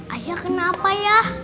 ayah kenapa ya